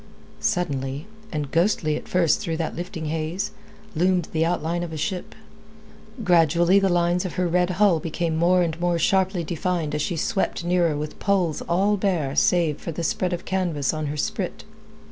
Suddenly, and ghostly at first through that lifting haze, loomed the outline of a ship; gradually the lines of her red hull became more and more sharply defined as she swept nearer with poles all bare save for the spread of canvas on her sprit.